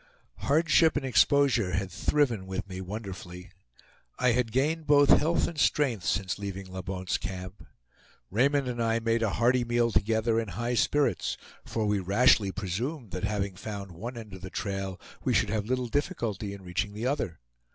Hardship and exposure had thriven with me wonderfully. I had gained both health and strength since leaving La Bonte's Camp. Raymond and I made a hearty meal together in high spirits, for we rashly presumed that having found one end of the trail we should have little difficulty in reaching the other.